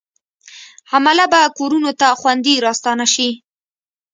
عمله به کورونو ته خوندي راستانه شي.